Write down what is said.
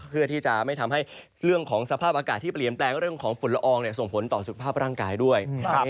เพื่อที่จะไม่ทำให้เรื่องของสภาพอากาศที่เปลี่ยนแปลงเรื่องของฝุ่นละอองส่งผลต่อสุขภาพร่างกายด้วย